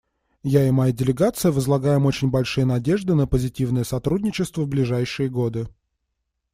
Я и моя делегация возлагаем очень большие надежды на позитивное сотрудничество в ближайшие годы.